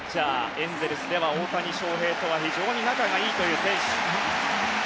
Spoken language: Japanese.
エンゼルスでは大谷翔平とは非常に仲がいいという選手。